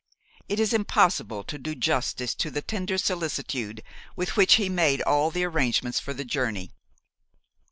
It is impossible to do justice to the tender solicitude with which he made all the arrangements for the journey.